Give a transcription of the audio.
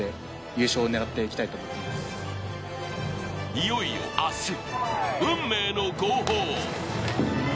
いよいよ明日、運命の号砲。